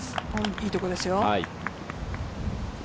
いいところですよ。